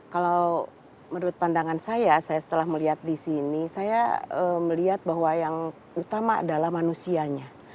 kalau menurut pandangan saya saya setelah melihat di sini saya melihat bahwa yang utama adalah manusianya